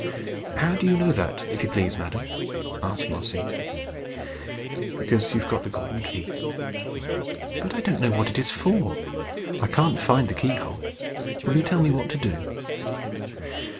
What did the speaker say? "How do you know that, if you please, madam?" asked Mossy. "Because you have got the golden key." "But I don't know what it is for. I can't find the key hole. Will you tell me what to do?"